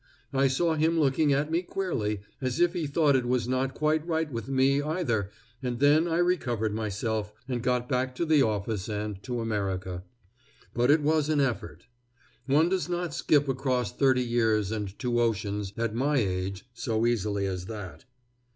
I saw him looking at me queerly, as if he thought it was not quite right with me, either, and then I recovered myself, and got back to the office and to America; but it was an effort. One does not skip across thirty years and two oceans, at my age, so easily as that.